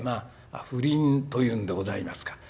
不倫というんでございますか。